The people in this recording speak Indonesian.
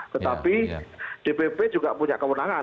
tetapi dpp juga punya kewenangan